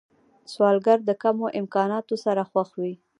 سوالګر د کمو امکاناتو سره خوښ وي